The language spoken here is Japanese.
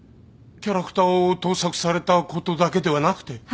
キャラクターを盗作されたことだけではなくて？